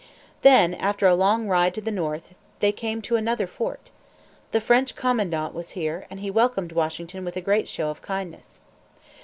Then, after a long ride to the north, they came to another fort. The French commandant was here, and he welcomed Washington with a great show of kindness.